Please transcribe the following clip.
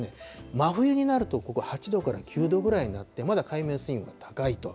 真冬になるとここ、８度から９度ぐらいになって、まだ海面水温高いと。